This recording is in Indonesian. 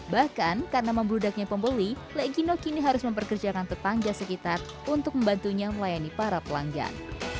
bahkan karena membludaknya pembeli lek gino kini harus memperkerjakan tepang jas sekitar untuk membantunya melayani para pelanggan